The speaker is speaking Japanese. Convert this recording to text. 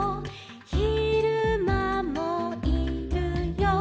「ひるまもいるよ」